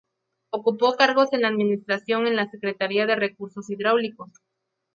Ocupó cargos en la administración en la Secretaría de Recursos Hidráulicos.